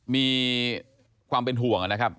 มีความเป็นห่วงนะครับ